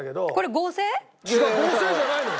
合成じゃないのよ。